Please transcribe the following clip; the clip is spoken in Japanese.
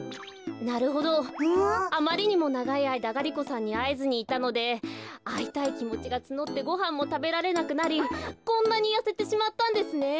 なるほどあまりにもながいあいだガリ子さんにあえずにいたのであいたいきもちがつのってごはんもたべられなくなりこんなにやせてしまったんですね。